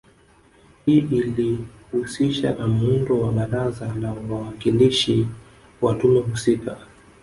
Hii ilihusisha na muundo wa Baraza la Wawakilishi wa tume husika